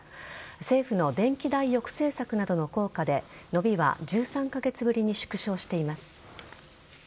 政府の電気代抑制策などの効果で伸びは１３カ月ぶりに縮小しています。